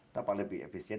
kenapa lebih efisien